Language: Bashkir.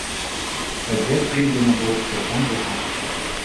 Әгәр ир генә булып тыуған булһаң...